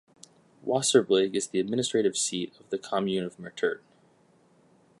Wasserbillig is the administrative seat of the commune of Mertert.